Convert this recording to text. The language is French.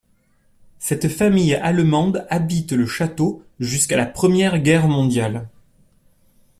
Cette famille allemande habite le château jusqu'à la Première Guerre mondiale.